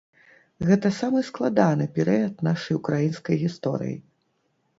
Гэта самы складаны перыяд нашай украінскай гісторыі.